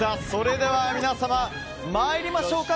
では皆様、参りましょうか。